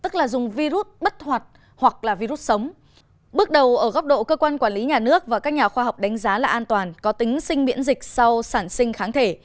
các nhà khoa học đánh giá là an toàn có tính sinh miễn dịch sau sản sinh kháng thể